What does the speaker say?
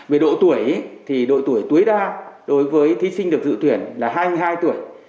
về độ tuổi thì độ tuổi tối đa đối với thí sinh được dự tuyển là hai mươi hai tuổi